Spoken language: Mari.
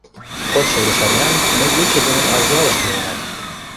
— Кодшо рушарнян мый ече дене Азъялыш миенам.